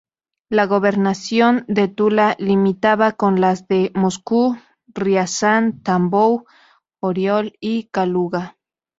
La gobernación de Tula limitaba con las de Moscú, Riazán, Tambov, Oriol y Kaluga.